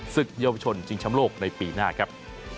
ศึกเยาวชนชิงชำโลกในปีหน้าครับ